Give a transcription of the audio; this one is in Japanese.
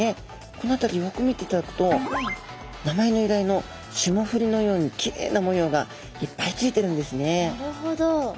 この辺りをよく見ていただくと名前の由来のシモフリのようにきれいな模様がいっぱいついてるんですね。